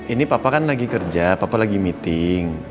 ini papa kan lagi kerja papa lagi meeting